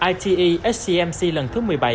ite scmc lần thứ một mươi bảy